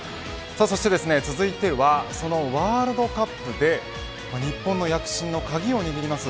そして続いてはそのワールドカップで日本の躍進の鍵を握ります